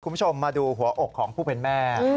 คุณผู้ชมมาดูหัวอกของผู้เป็นแม่